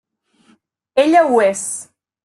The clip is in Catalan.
Ella ho és.